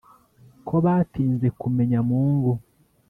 ko batinze kumenya mungu